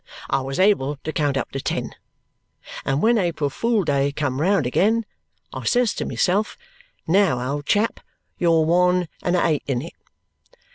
I was able to count up to ten; and when April Fool Day come round again, I says to myself, 'Now, old chap, you're one and a eight in it.'